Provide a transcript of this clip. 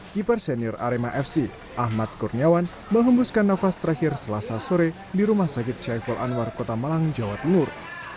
keeper senior arema fc ahmad kurniawan menghembuskan nafas terakhir selasa sore di rumah sakit syaiful anwar kota malang jawa timur